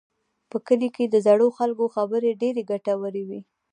په کلي کې د زړو خلکو خبرې ډېرې ګټورې وي.